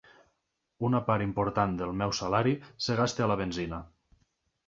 Una part important del meu salari es gasta a la benzina.